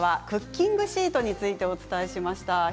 クッキングシートについてお伝えしました。